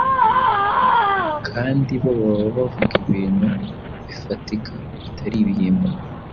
kandi bo baba bavuga ibintu bifatika bitari ibihimbano.